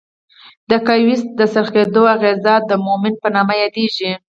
د قوې د څرخیدو اغیزه د مومنټ په نامه یادیږي.